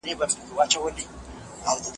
زه پرون مېوې راټولې کړې!؟